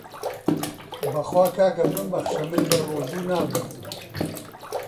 بە خوا کاکە بمبەخشە من بەڕۆژوو نابم